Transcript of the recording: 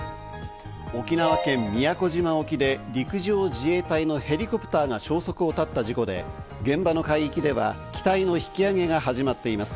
沖縄県宮古島沖で陸上自衛隊のヘリコプターが消息を絶った事故で、現場の海域では機体の引き揚げが始まっています。